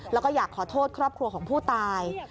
แล้วก็อยากขอโทษครอบครัวของผู้ตาย